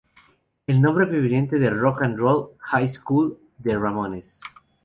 El nombre proviene de Rock 'n' Roll High School de The Ramones.